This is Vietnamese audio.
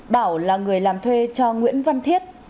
bảo là người làm thuê cho nguyễn văn thiết